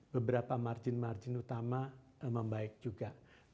beberapa margin margin utama membaik juga